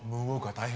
大変。